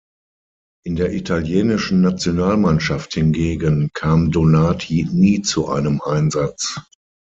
In der italienischen Nationalmannschaft hingegen, kam Donati nie zu einem Einsatz.